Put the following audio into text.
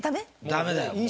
ダメだよ